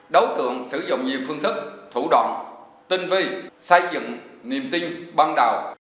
đối tượng sử dụng nhiều phương thức thủ đoạn tinh vi xây dựng niềm tin ban đầu